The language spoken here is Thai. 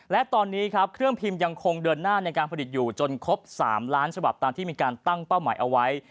และตอนนี้ครับเครื่องพิมพ์ยังคงเดินหน้าในการผลิตอยู่จนครบ๓ล้านฉบับตามที่มีการตั้งเป้าหมายเอาไว้